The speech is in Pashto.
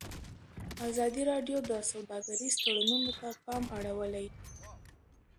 ازادي راډیو د سوداګریز تړونونه ته پام اړولی.